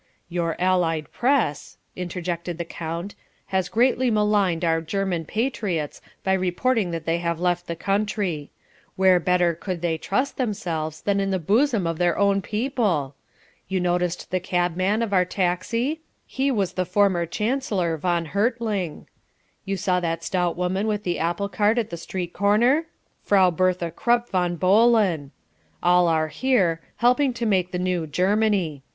"Your Allied press," interjected the count, "has greatly maligned our German patriots by reporting that they have left the country. Where better could they trust themselves than in the bosom of their own people? You noticed the cabman of our taxi? He was the former chancellor Von Hertling. You saw that stout woman with the apple cart at the street corner? Frau Bertha Krupp Von Bohlen. All are here, helping to make the new Germany.